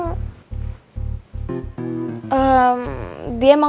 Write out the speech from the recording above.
gue gak mau